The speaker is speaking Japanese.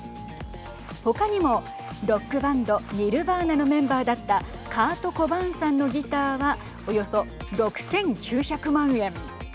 他にもロックバンドニルヴァーナのメンバーだったカート・コバーンさんのギターはおよそ６９００万円。